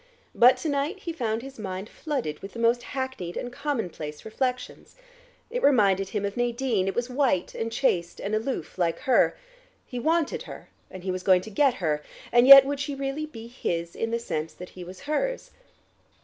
But to night he found his mind flooded with the most hackneyed and commonplace reflections. It reminded him of Nadine; it was white and chaste and aloof like her ... he wanted her, and he was going to get her, and yet would she really be his in the sense that he was hers?